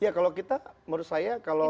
ya kalau kita menurut saya kalau